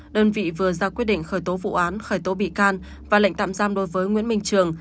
đơn vị vừa ra quyết định khởi tố vụ án khởi tố bị can và lệnh tạm giam đối với nguyễn minh trường